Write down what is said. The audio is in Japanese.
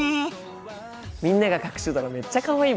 みんなが描くシュドラめっちゃかわいいもんね。